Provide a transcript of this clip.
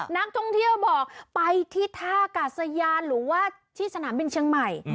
นักท่องเที่ยวบอกไปที่ท่ากาศยานหรือว่าที่สนามบินเชียงใหม่